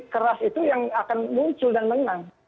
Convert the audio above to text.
keras itu yang akan muncul dan menang